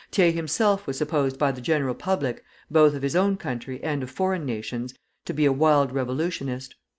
Thiers himself was supposed by the general public (both of his own country and of foreign nations) to be a wild revolutionist.